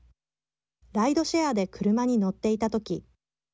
ライドシェアで車に乗っていた時。